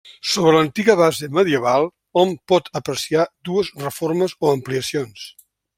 Sobre l'antiga base medieval hom pot apreciar dues reformes o ampliacions.